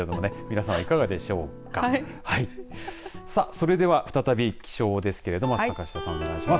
それでは再び気象ですけども坂下さんお願いします。